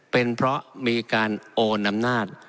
เป็นเพราะมีการโอนอำนาจ